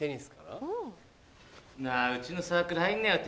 なぁうちのサークル入んなよ